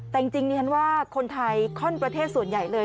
แต่จริงดิฉันว่าคนไทยข้อนประเทศส่วนใหญ่เลย